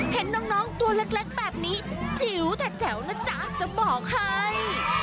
เห็นน้องตัวเล็กแบบนี้จิ๋วแต่แจ๋วนะจ๊ะจะบอกให้